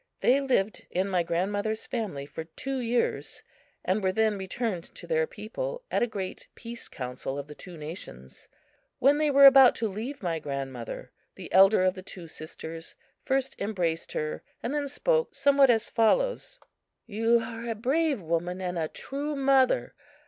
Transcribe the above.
They lived in my grandmother's family for two years, and were then returned to their people at a great peace council of the two nations. When they were about to leave my grandmother, the elder of the two sisters first embraced her, and then spoke somewhat as follows: "You are a brave woman and a true mother.